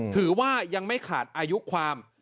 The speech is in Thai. ถือว่ายังไม่ขาดอายุความ